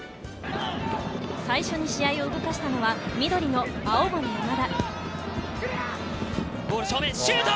最初に試合を動かしたのは緑の青森山田。